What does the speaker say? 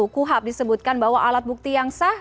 kuhap disebutkan bahwa alat bukti yang sah